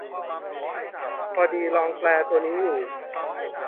พอดีลองแปลตัวนี้อยู่